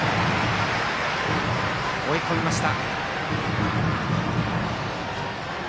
追い込みました。